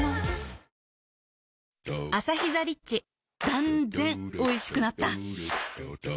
断然おいしくなった